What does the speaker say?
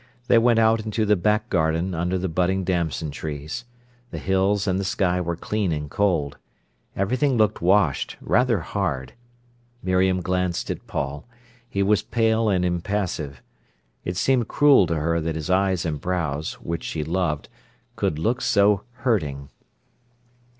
They went out into the back garden under the budding damson trees. The hills and the sky were clean and cold. Everything looked washed, rather hard. Miriam glanced at Paul. He was pale and impassive. It seemed cruel to her that his eyes and brows, which she loved, could look so hurting.